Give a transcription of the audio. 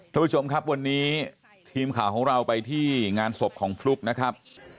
ทุกผู้ชมครับวันนี้ทีมข่าวของเราไปที่งานศพของฟลุ๊กนะครับ